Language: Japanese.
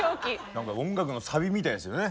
何か音楽のサビみたいですよね